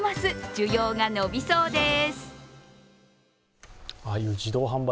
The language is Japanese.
需要が伸びそうです。